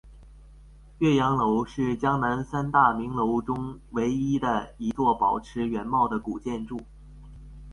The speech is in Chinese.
岳阳楼是江南三大名楼中唯一的一座保持原貌的古建筑。